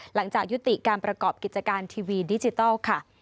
หลังจากยุติการประกอบกิจการทีวีดิจิทัลค่ะ